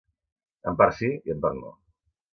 En part sí i en part no.